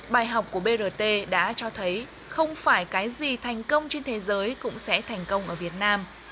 bài học của brt đã cho thấy không phải cái gì thành công trên thế giới cũng sẽ thành công ở việt nam